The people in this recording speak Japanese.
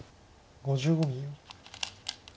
５５秒。